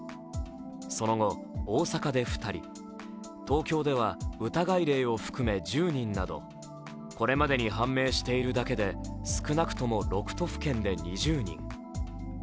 その後、大阪で２人、東京では疑い例を含め１０人などこれまでに判明しているだけで少なくとも６都府県で２０人。